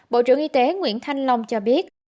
bộ trưởng y tế nguyễn thanh long cho biết